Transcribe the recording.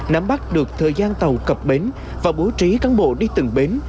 nắm bắt được thời gian tàu cập bến và bố trí cán bộ đi từng bến